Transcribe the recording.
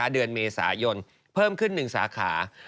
เดือนเมษายนเพิ่มขึ้น๑สาขา